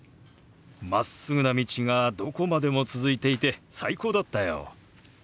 まっすぐな道がどこまでも続いていて最高だったよ。